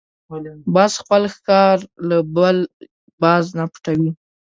باز خپل ښکار له بل باز نه پټوي